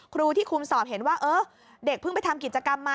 ครูที่คุมสอบเห็นว่าเออเด็กเพิ่งไปทำกิจกรรมมา